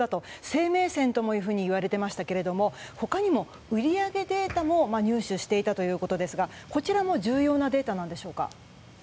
生命線ともいわれていましたが他にも売り上げデータも入手していたということですがこちらも重要なデータなんでしょうか。